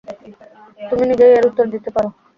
তুমি নিজেই এর উত্তর দিতে পারো।